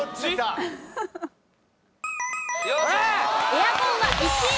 エアコンは１位。